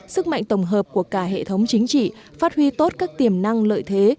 sức mạnh tổng hợp của cả hệ thống chính trị phát huy tốt các tiềm năng lợi thế